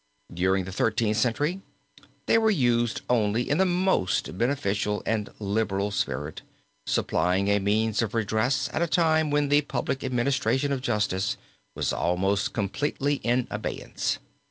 During the Thirteenth Century they were used only in the most beneficial and liberal spirit, supplying a means of redress at a time when the public administration of justice was almost completely in abeyance.